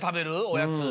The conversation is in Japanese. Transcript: おやつ。